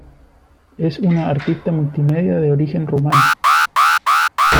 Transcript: Es una artista multimedia de origen rumano.